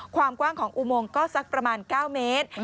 ความกว้างของอุโมงก็สักประมาณ๙เมตร